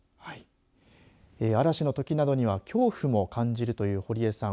嵐のときなどには恐怖も感じるという堀江さん。